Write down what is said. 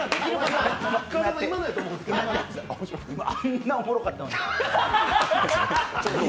あんなおもろかったのに。